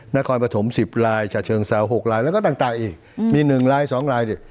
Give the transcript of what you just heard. นครปฐม๑๐ลายฉะเชิงเซา๖ลายแล้วก็ต่างอีกมี๑ลาย๒ลายเนี่ย